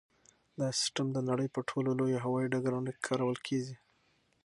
دا سیسټم د نړۍ په ټولو لویو هوایي ډګرونو کې کارول کیږي.